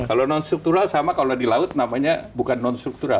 kalau non struktural sama kalau di laut namanya bukan non struktural